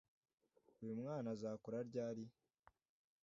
uyumwana azakura ryari